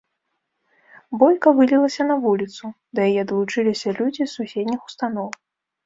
Бойка вылілася на вуліцу, да яе далучыліся людзі з суседніх устаноў.